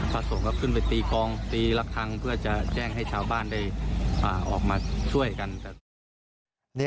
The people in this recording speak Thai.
พระสงฆ์ก็ขึ้นไปตีกองตีละครั้งเพื่อจะแจ้งให้ชาวบ้านได้ออกมาช่วยกัน